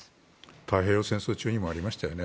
太平洋戦争中にもありましたよね